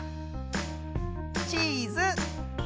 チーズ。